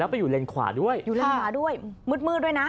ไปอยู่เลนขวาด้วยอยู่เลนขวาด้วยมืดด้วยนะ